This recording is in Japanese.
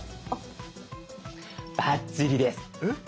バッチリです。え？